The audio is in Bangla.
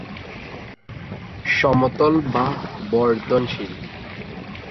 সমতল বা বর্ধনশীল।